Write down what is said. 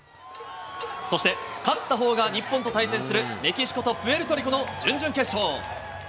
そして、勝ったほうが日本と対戦するメキシコとプエルトリコの準々決勝。